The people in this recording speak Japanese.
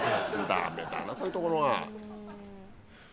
ダメだなそういうところが。